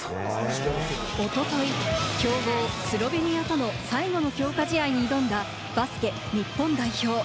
おととい、強豪・スロベニアとの最後の強化試合に挑んだバスケ日本代表。